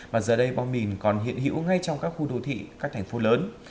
và giờ đây bom mìn còn hiện hữu ngay trong các khu vực